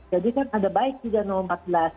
jadi kan ada baik tiga empat belas